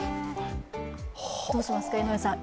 どうしますか、井上さん。